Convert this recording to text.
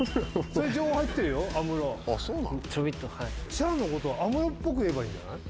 シャアのことアムロっぽく言えばいいんじゃない？